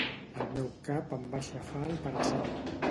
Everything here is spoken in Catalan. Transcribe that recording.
El meu cap em va aixafar el para-sol